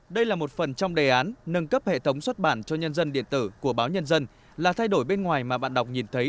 đây là một phần trong đề án nâng cấp hệ thống xuất bản cho nhân dân điện tử của báo nhân dân là thay đổi bên ngoài mà bạn đọc nhìn thấy